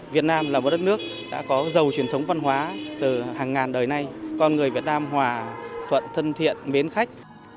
việt nam là một đất nước đã có giàu truyền thống văn hóa từ hàng ngàn đời nay con người việt nam hòa thuận thân thiện mến khách